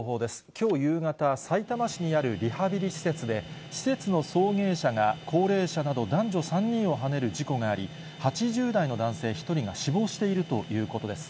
きょう夕方、さいたま市にあるリハビリ施設で、施設の送迎車が高齢者など男女３人をはねる事故があり、８０代の男性１人が死亡しているということです。